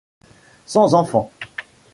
Sans enfant.